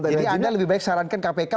jadi anda lebih baik sarankan kpk